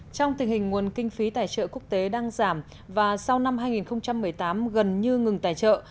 trong tình hình nguồn kinh phí tài trợ quốc tế đang giảm và sau năm hai nghìn một mươi tám gần như ngừng tài trợ